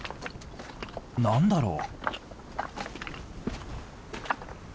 何だろう？